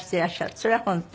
それは本当？